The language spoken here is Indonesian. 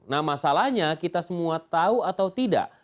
nah masalahnya kita semua tahu atau tidak